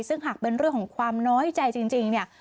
ซึ่งหากเป็นเรื่องของความน้อยใจจริงเนี่ย